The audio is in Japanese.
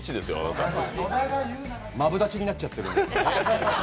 マブダチになっちゃってるんで。